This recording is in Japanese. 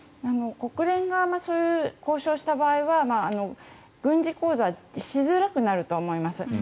国連側がそういう交渉をした場合は軍事行動はしづらくなると思います。